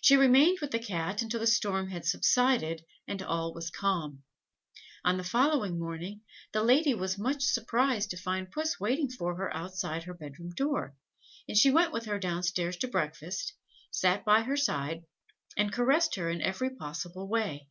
She remained with the Cat until the storm had subsided, and all was calm. On the following morning, the lady was much surprised to find Puss waiting for her outside her bed room door, and she went with her down stairs to breakfast, sat by her side, and caressed her in every possible way.